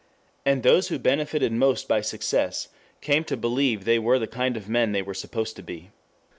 And those who benefited most by success came to believe they were the kind of men they were supposed to be.